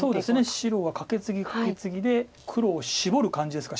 白はカケツギカケツギで黒をシボる感じですから。